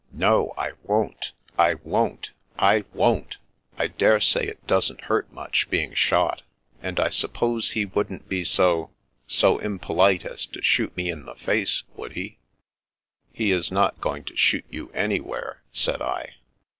No, I won't, I won't, / won't. I dare say it doesn't hurt much, being shot; and I suppose he wouldn't be so — so impolite as to shoot me in the face, would he?" " He is not going to shoot you anywhere," said I.